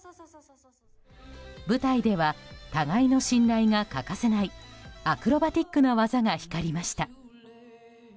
舞台では互いの信頼が欠かせないアクロバティックな技が光りました。